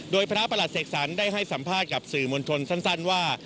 โดยพระประหลัดเสกสรรได้ให้สัมภาษณ์กับสื่อมวลชนสั้นว่า